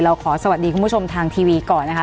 ขอสวัสดีคุณผู้ชมทางทีวีก่อนนะคะ